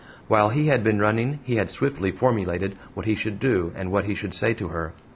While he had been running he had swiftly formulated what he should do and what he should say to her.